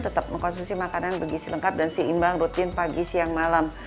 tetap mengkonsumsi makanan bergisi lengkap dan seimbang rutin pagi siang malam